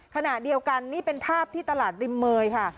ขณะเดียวกันนี่เป็นภาพที่ตลาดริมเมยค่ะ